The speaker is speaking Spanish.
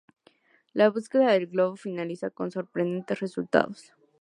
La búsqueda del globo finaliza con sorprendentes resultados.